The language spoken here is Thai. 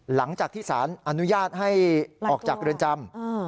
หลังจากที่สารอนุญาตให้ออกจากเรือนจำ